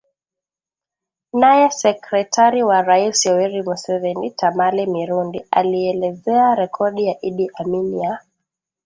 Naye sekretari wa rais Yoweri Museveni Tamale Mirundi alielezea rekodi ya Idi Amin ya